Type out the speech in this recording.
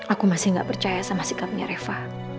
aku masih gak percaya sama sikapnya reva